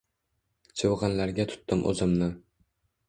Chivgʻinlarga tutdim oʻzimni.